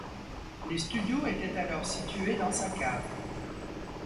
Les studios étaient alors situés dans sa cave.